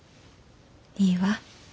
いいわ。